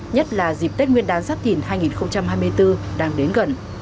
nhất là dịp tết nguyên đán giáp thìn hai nghìn hai mươi bốn đang đến gần